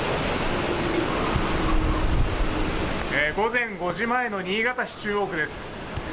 午前５時前の新潟市中央区です。